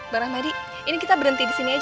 barahmadi ini kita berhenti disini aja